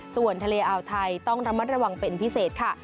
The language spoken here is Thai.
ส่วนทะเลอาวไทยต้องระมัดระวังเป็นพิเศษค่ะ